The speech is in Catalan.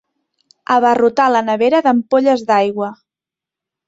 Abarrotar la nevera d'ampolles d'aigua.